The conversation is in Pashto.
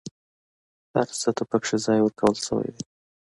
هر څه ته پکې ځای ورکول شوی دی.